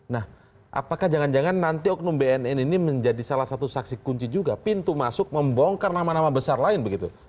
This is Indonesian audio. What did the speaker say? nah apakah jangan jangan nanti oknum bnn ini menjadi salah satu saksi kunci juga pintu masuk membongkar nama nama besar lain begitu